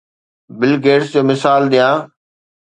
Bill Gates جو مثال ڏيان.